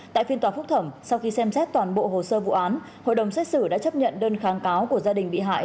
tại phiên tòa phúc thẩm sau khi xem xét toàn bộ hồ sơ vụ án hội đồng xét xử đã chấp nhận đơn kháng cáo của gia đình bị hại